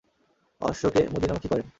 অশ্বকে মদীনামখী করেন।